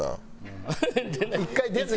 １回出ずに。